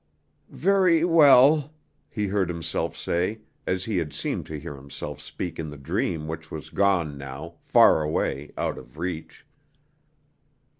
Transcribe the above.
"Very well," he heard himself say, as he had seemed to hear himself speak in the dream which was gone now, far away, out of reach.